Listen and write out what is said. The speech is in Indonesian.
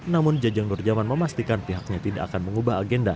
namun jajang nurjaman memastikan pihaknya tidak akan mengubah agenda